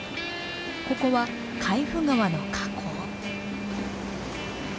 ここは海部川の河口。